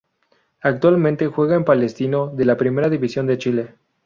Actualmente juega en Palestino de la Primera División de Chile.